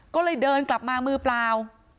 ก็เลยเดินกลับมามือเปล่า